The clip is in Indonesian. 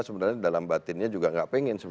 sebenarnya dalam batinnya juga nggak pengen